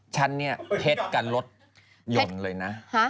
ฉันเนี่ยเทศกันรถหย่นเลยนะ